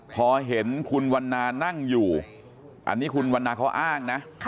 พอเห็นคุณวันนานั่งอยู่อันนี้คุณวันนาเขาอ้างนะ